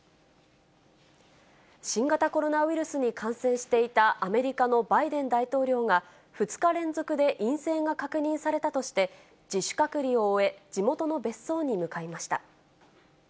新型コロナウイルスに感染していたアメリカのバイデン大統領が、２日連続で陰性が確認されたとして、自主隔離を終え、地元の別荘に向かいました。